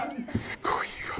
すごいわ。